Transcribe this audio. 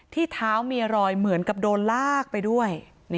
ที่เท้ามีรอยเหมือนกับโดนลากไปด้วย